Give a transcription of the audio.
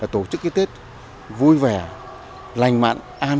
tổ chức cái tết vui vẻ lành mạnh an toàn